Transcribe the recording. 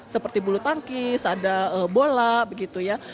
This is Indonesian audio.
seperti bulu tangkis ada bola begitu ya